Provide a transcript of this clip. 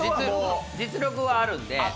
実力はあるんで。